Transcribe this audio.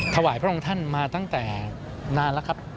ถวายพระองค์ท่านมาตั้งแต่นานแล้วครับ